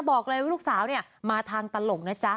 บอกเลยว่าลูกสาวเนี่ยมาทางตลกนะจ๊ะ